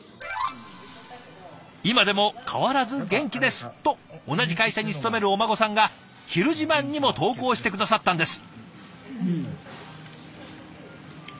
「今でも変わらず元気です」と同じ会社に勤めるお孫さんが「ひる自慢」にも投稿して下さったんです。